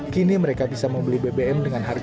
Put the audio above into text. kini mereka bisa membeli bbm dengan harga rp lima belas